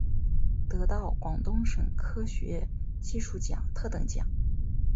得到广东省科学技术奖特等奖。